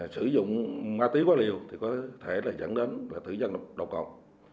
sử dụng ma túy quá liều có thể dẫn đến tử vong độc cọc